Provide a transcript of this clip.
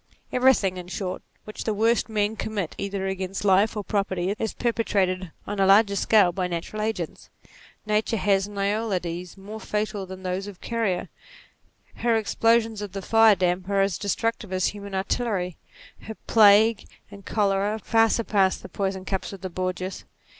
Everything in short, which the worst men commit either against life or property is perpetrated on a larger scale by natural agents. Nature has Noyades more fatal than those of Carrier; her explosions of fire damp are as destructive as human artillery ; her plague and cholera far surpass the poison cups of the Borgias.